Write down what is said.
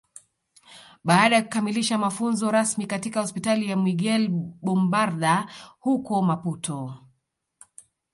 Baada ya kukamilisha mafunzo rasmi katika Hospitali ya Miguel Bombarda huko Maputo